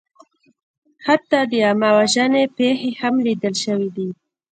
حتی د عامهوژنې پېښې هم لیدل شوې دي.